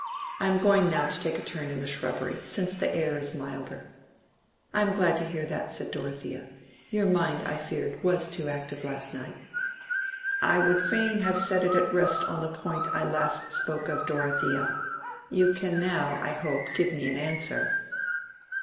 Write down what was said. I am going now to take a turn in the shrubbery, since the air is milder." "I am glad to hear that," said Dorothea. "Your mind, I feared, was too active last night." "I would fain have it set at rest on the point I last spoke of, Dorothea. You can now, I hope, give me an answer."